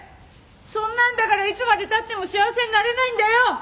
そんなんだからいつまで経っても幸せになれないんだよ！